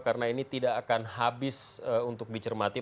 karena ini tidak akan habis untuk dicermati